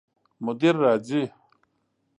مدیر راځي؟